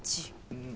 うん。